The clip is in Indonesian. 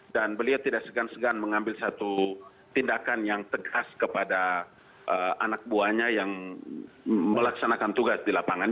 dan beliau tidak segan segan mengambil satu tindakan yang tegas kepada anak buahnya yang melaksanakan tugas di lapangan